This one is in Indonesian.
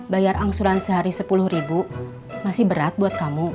bayar angsuran sehari sepuluh ribu masih berat buat kamu